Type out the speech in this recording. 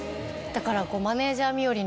だから。